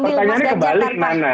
pertanyaannya kebalik mana